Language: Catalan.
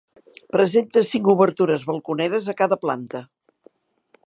Presenta cinc obertures balconeres a cada planta.